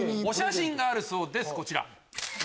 お写真があるそうですこちら。